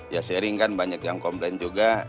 ya sharing kan banyak yang komplain juga